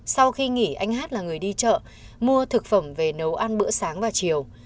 sau khi nghỉ anh hát là người đi chợ mua thực phẩm về nấu ăn bữa sáng và chiều